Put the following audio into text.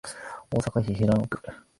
大阪市平野区